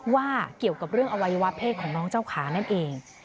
ว่าเกี่ยวกับเรื่องอวัยวะเพศของน้องเจ้าขานั่นเอง